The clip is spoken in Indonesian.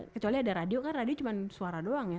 kecuali ada radio kan radio cuma suara doang ya